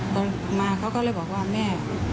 พอมาเขาก็เลยบอกว่าแม่